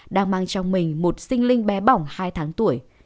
đang mang trong mình một sinh linh bé bỏng hai tháng tuổi